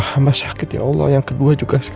sampai dia kehilangan jejak